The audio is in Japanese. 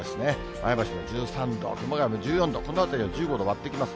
前橋も１３度、熊谷も１４度、このあたりは１５度割ってきます。